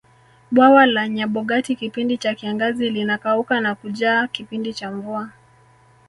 bwawa la nyabogati kipindi cha kiangazi linakauka na kujaa kipindi cha mvua